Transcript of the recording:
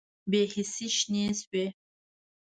بې حسۍ شنې شوې